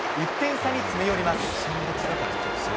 １点差に詰め寄ります。